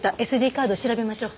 カード調べましょう。